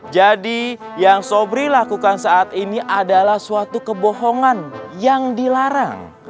jadi yang sobri lakukan saat ini adalah suatu kebohongan yang dilarang